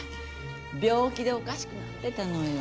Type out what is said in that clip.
病気でおかしくなってたのよ。